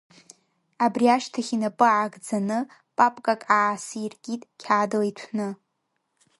Абри ашьҭахь инапы аагӡаны, папкак аасиркит қьаадла иҭәны.